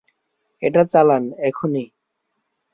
এটা চালান, এখনি!